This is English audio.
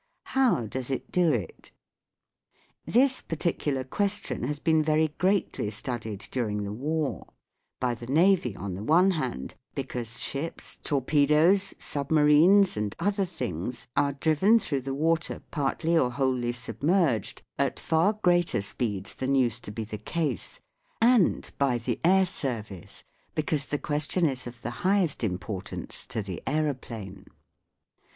How does it do it ? This particular question has been very greatly studied during the War : by the Navy on the one hand, because ships, torpedoes, submarines, and other things are driven through the water partly or wholly submerged at far greater speeds than used to be the case ; and by the Air Service, SOUNDS OF THE SEA 135 because the question is of the highest importance to the aeroplane.